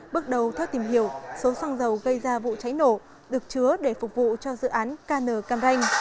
bước đầu theo tìm hiểu số xăng dầu gây ra vụ cháy nổ được chứa để phục vụ cho dự án kn cam ranh